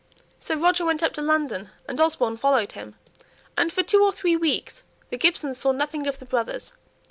So Roger went up to London and Osborne followed him, and for two or three weeks the Gibsons saw nothing of the brothers.